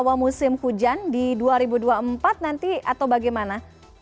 selama musim hujan di dua ribu dua puluh empat nanti atau bagaimana